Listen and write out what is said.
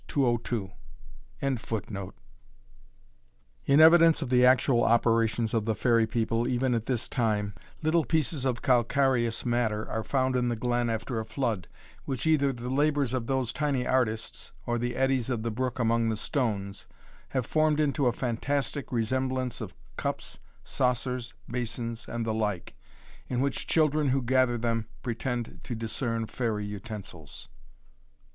202.] In evidence of the actual operations of the fairy people even at this time, little pieces of calcareous matter are found in the glen after a flood, which either the labours of those tiny artists, or the eddies of the brook among the stones, have formed into a fantastic resemblance of cups, saucers, basins, and the like, in which children who gather them pretend to discern fairy utensils.